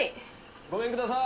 ごめんください。